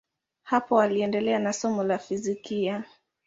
Hapo aliendelea na somo la fizikia.